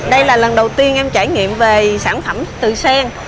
đây là lần đầu tiên em trải nghiệm về sản phẩm từ sen